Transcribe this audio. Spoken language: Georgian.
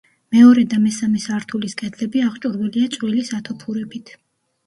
მეორე და მესამე სართულის კედლები აღჭურვილია წვრილი სათოფურებით.